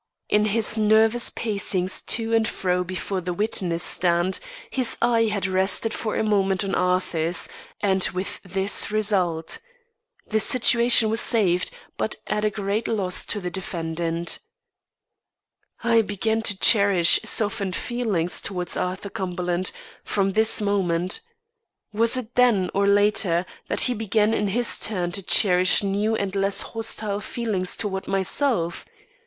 In his nervous pacings to and fro before the witness stand, his eye had rested for a moment on Arthur's, and with this result. The situation was saved, but at a great loss to the defendant. I began to cherish softened feelings towards Arthur Cumberland, from this moment. Was it then, or later, that he began in his turn to cherish new and less hostile feelings towards myself?